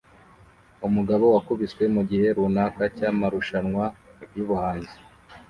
Umugabo wakubiswe mugihe runaka cyamarushanwa yubuhanzi